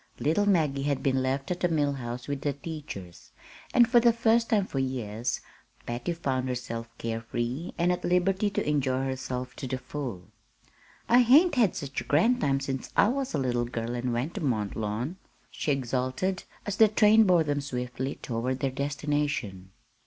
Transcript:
Little Maggie had been left at the Mill House with the teachers, and for the first time for years Patty found herself care free, and at liberty to enjoy herself to the full. "I hain't had sech a grand time since I was a little girl an' went ter Mont Lawn," she exulted, as the train bore them swiftly toward their destination.